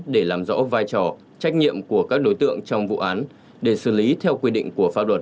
để làm rõ vai trò trách nhiệm của các đối tượng trong vụ án để xử lý theo quy định của pháp luật